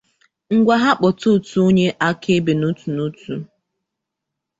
ịgwa ha kpọta otu onye akaebe n'otu n'otu